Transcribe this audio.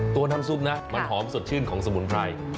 น้ำซุปนะมันหอมสดชื่นของสมุนไพร